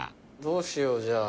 どうしようじゃあ。